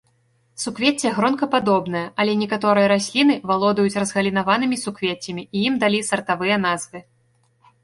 Суквецце гронкападобнае, але некаторыя расліны валодаюць разгалінаванымі суквеццямі і ім далі сартавыя назвы.